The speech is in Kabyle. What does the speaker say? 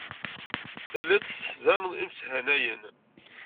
Telliḍ tesseḥzaneḍ imeshanayen.